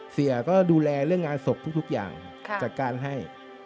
เสียก็ดูแลเรื่องงานศพทุกอย่างจัดการให้